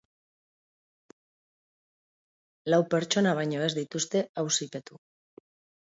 Lau pertsona baino ez dituzte auzipetu.